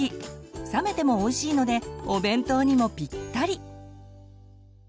冷めてもおいしいのでお弁当にもピッタリ！